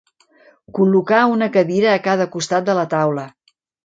Col·locar una cadira a cada costat de la taula.